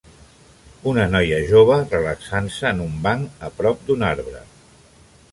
Una noia jove relaxant-se en un banc a prop d'un arbre.